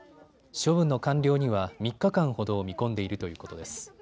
処分の完了には３日間ほどを見込んでいるということです。